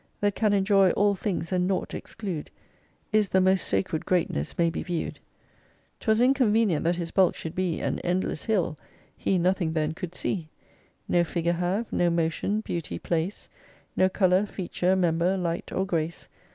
That can enjoy all things and nought exclude, Is the most sacred greatness may be viewed. 'Twas inconvenient that his bulk should be An endless hill ; he nothing then could see : No figure have, no motion, beauty, place, No colour, feature, member, light, or grace.